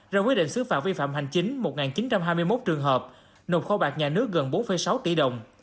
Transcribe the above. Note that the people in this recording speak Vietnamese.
rồi quyết định sử phạt vi phạm hành chính một chín trăm hai mươi một trường hợp nộp kho bạc nhà nước gần bốn sáu tỷ đồng